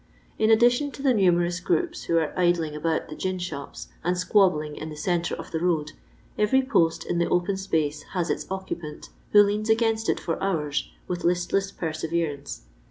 " In addition to the numerous groups who are idling about the gin ahopa and aquabbling in the centre of the road, every poat in the open space has its occupant, who leans against it for hours, with listless perseverance.